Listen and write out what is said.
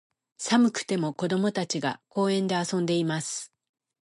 寒くても、子供たちが、公園で遊んでいます。